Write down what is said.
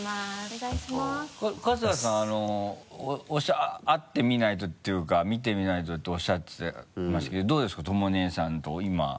春日さん会ってみないとというか見てみないとっておっしゃってましたけどどうですか？とも姉さんと今。